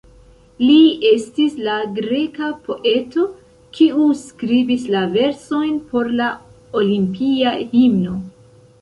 Li estis la greka poeto kiu skribis la versojn por la Olimpia Himno.